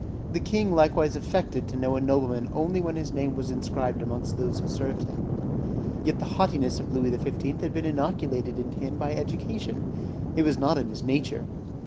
The king likewise affected to know a nobleman only when his name was inscribed amongst those who served him. Yet the haughtiness of Louis XV. had been innoculated into him by education; it was not in his nature.